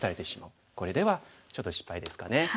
これではちょっと失敗ですかね。